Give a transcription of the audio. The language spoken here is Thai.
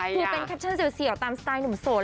คือเป็นแคปชั่นเสี่ยวตามสไตล์หนุ่มโสด